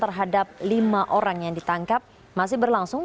terhadap lima orang yang ditangkap masih berlangsung